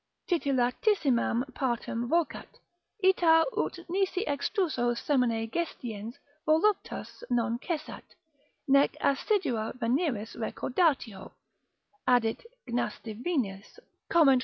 titillatissimam partem vocat, ita ut nisi extruso semine gestiens voluptas non cessat, nec assidua veneris recordatio, addit Gnastivinius Comment.